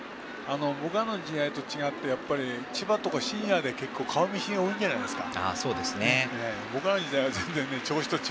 僕らの時代と違って千葉とかシニアで結構、顔見知りが多いんじゃないですか。